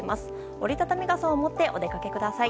折り畳み傘を持ってお出かけください。